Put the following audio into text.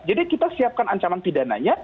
jadi kita siapkan ancaman pidananya